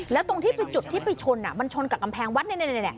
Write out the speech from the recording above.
แล้วตรงที่จุดที่ไปชนมันชนกับกำแพงวัด